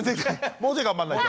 もうちょい頑張んないと。